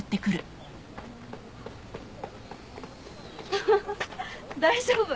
ハハハ大丈夫？